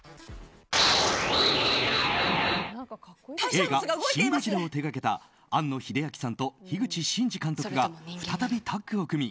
映画「シン・ゴジラ」を手掛けた庵野秀明さんと樋口真嗣監督が再びタッグを組み